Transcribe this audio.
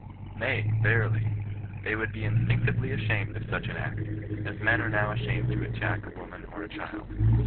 Nay, verily, they would be instinctively ashamed of such an act, as men are now ashamed to attack a woman or a child.